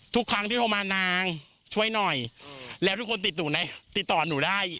ทุกครั้งที่โทรมานางช่วยหน่อยแล้วทุกคนติดหนูติดต่อหนูได้